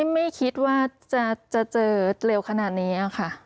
ไม่คิดว่าจะเจอเร็วขนาดนี้ค่ะ